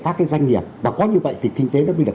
các cái doanh nghiệp mà có như vậy thì kinh tế nó mới được